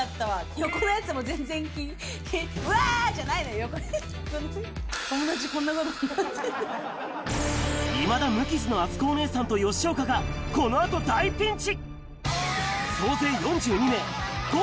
横にいる、友達、こんないまだ無傷のあつこおねえさんと吉岡がこのあと大ピンチ。